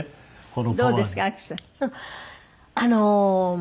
どうですか？